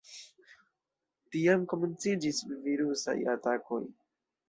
Tiam komenciĝis virusaj atakoj.